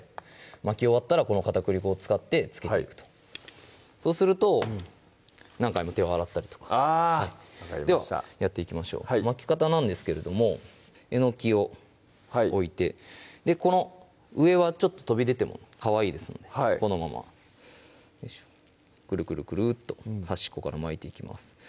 巻き終わったらこの片栗粉を使ってつけていくとそうすると何回も手を洗ったりとかあではやっていきましょう巻き方なんですけれどもえのきを置いてこの上はちょっと飛び出てもかわいいですのでこのままくるくるくるっと端っこから巻いていきます